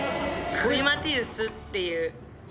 クリマティウスっていう。